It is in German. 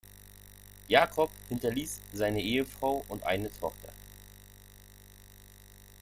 Jacob hinterließ seine Ehefrau und eine Tochter.